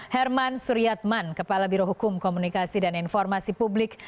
herman suryatman kepala birohukum komunikasi dan informasi publik